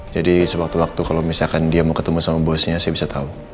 jadi sewaktu waktu kalau misalkan dia mau ketemu sama bosnya saya bisa tau